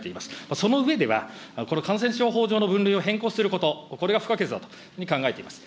その上では、この感染症法上の分類を変更すること、これが不可欠だと考えています。